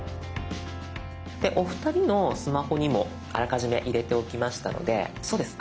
でお二人のスマホにもあらかじめ入れておきましたのでそうです